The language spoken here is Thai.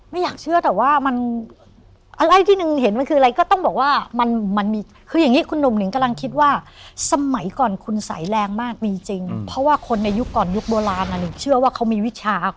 ไม่อยากเชื่อแต่ว่ามันอะไรที่หนึ่งเห็นมันคืออะไรก็ต้องบอกว่ามันมี